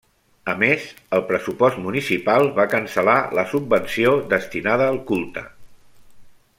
A més, el pressupost municipal va cancel·lar la subvenció destinada al culte.